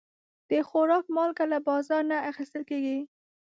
د خوراک مالګه له بازار نه اخیستل کېږي.